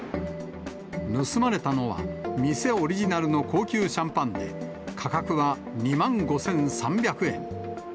盗まれたのは、店オリジナルの高級シャンパンで、価格は２万５３００円。